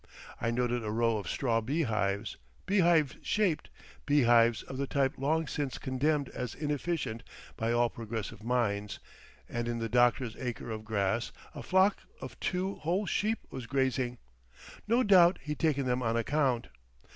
I noted a row of straw beehives, beehive shaped, beehives of the type long since condemned as inefficient by all progressive minds, and in the doctor's acre of grass a flock of two whole sheep was grazing,—no doubt he'd taken them on account.